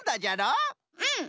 うん！